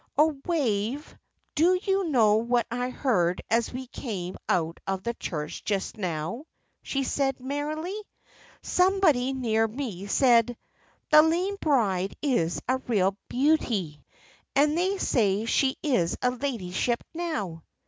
"Oh, Wave, do you know what I heard as we came out of church just now?" she said, merrily. "Somebody near me said, 'The lame bride is a real beauty, and they say she is a ladyship now.'"